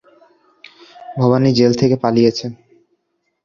Bhabani jail থেকে পালিয়েছে।